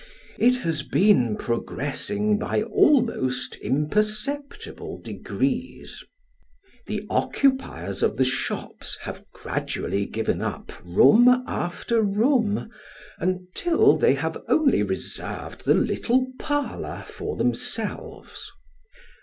It has been progressing by almost imperceptible degrees. The occupiers of the shops have gradually given up room after room, until they have only reserved the little parlour for themselves.